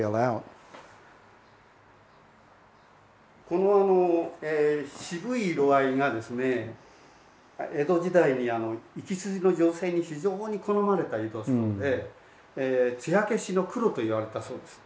この渋い色合いがですね江戸時代に粋筋の女性に非常に好まれた色で艶消しの黒といわれたそうです。